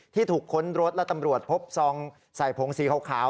ที่ถูกค้นรถและตำรวจพบซองใส่ผงสีขาว